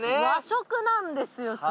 和食なんですよ